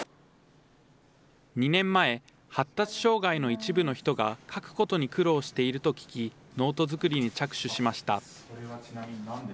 ２年前、発達障害の一部の人が書くことに苦労していると聞き、ノート作りに着手しました。